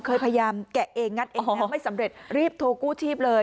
พยายามแกะเองงัดเองทำไม่สำเร็จรีบโทรกู้ชีพเลย